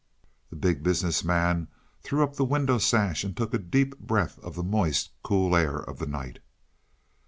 The Big Business Man threw up the window sash and took a deep breath of the moist, cool air of the night.